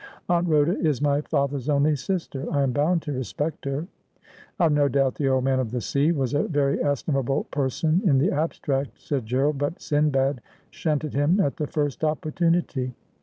' Aunt Rhoda is my father's only sister. I am bound to respect her.' ' I've no doubt the Old Man of the Sea was a very estimable person in the abstract,' said Gerald, ' but Sindbad shunted him at the first opportunity.